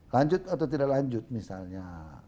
lanjut atau tidak lanjut misalnya